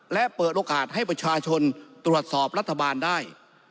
และเปิดโอกาสให้ประชาชนตรวจสอบรัฐบาลได้